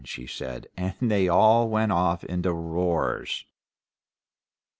she said, and they all went off into roars.